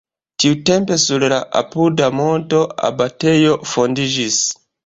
Tiutempe sur la apuda monto abatejo fondiĝis.